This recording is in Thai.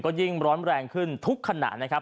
ก็ยิ่งร้อนแรงขึ้นทุกขณะนะครับ